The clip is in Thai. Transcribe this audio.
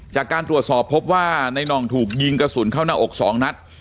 จากการตรวจสอบพบว่าในน่องถูกยิงกระสุนเข้าหน้าอก๒นัด